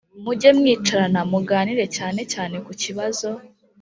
mujye mwicarana muganire cyane cyane ku kibazo